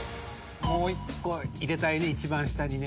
もう１個入れたいねいちばん下にね。